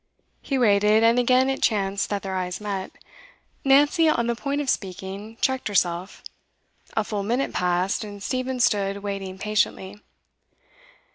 He waited, and again it chanced that their eyes met. Nancy, on the point of speaking, checked herself. A full minute passed, and Stephen stood waiting patiently.